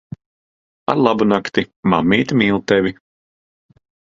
Arlabunakti. Mammīte mīl tevi.